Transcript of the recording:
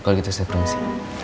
kalau gitu saya permisi